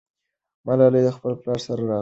ملالۍ خپل پلار سره راغلې وه.